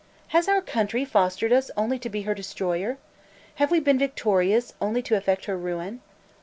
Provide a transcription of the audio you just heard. Has our country fostered us only to be her destroyer? Have we been victorious only to effect her ruin?